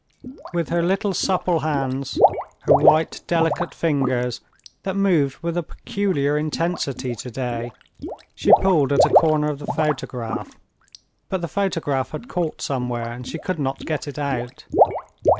With her little supple hands, her white, delicate fingers, that moved with a peculiar intensity today, she pulled at a corner of the photograph, but the photograph had caught somewhere, and she could not get it out.